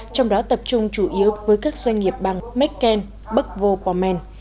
trong đó tập trung chủ yếu với các doanh nghiệp bằng mekken bắc vô bò men